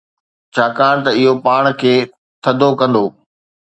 ڇاڪاڻ ته اهو پاڻ کي ٿڌو ڪندو.